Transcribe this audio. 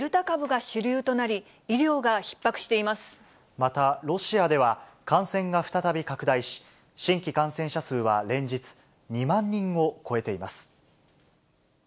また、ロシアでは感染が再び拡大し、新規感染者数は連日２万人を超えています。